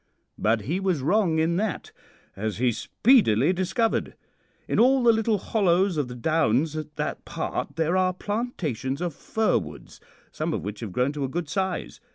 But he was wrong in that, as he speedily discovered. In all the little hollows of the downs at that part there are plantations of fir woods, some of which have grown to a good size.